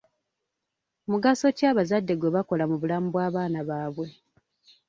Mugaso ki abazadde gwe bakola mu bulamu bw'abaana baabwe?